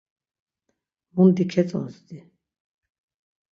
Mundi ketzozdi.